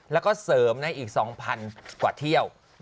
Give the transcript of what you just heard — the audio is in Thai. แล้วก็เสริมในอีก๒๐๐กว่าเที่ยว